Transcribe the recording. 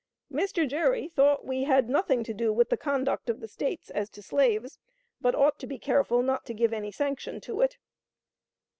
" "Mr. Gerry thought we had nothing to do with the conduct of the States as to slaves, but ought to be careful not to give any sanction to it."